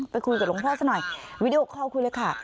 ไปคุยกับหลวงพ่อซะหน่อยวีดีโอคอลคุยเลยค่ะ